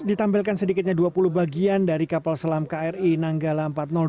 ditampilkan sedikitnya dua puluh bagian dari kapal selam kri nanggala empat ratus dua